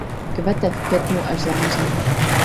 Kvete v květnu až září.